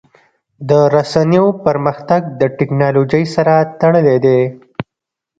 د رسنیو پرمختګ د ټکنالوژۍ سره تړلی دی.